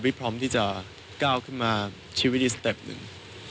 พร้อมที่จะก้าวขึ้นมาชีวิตอีกสเต็ปหนึ่ง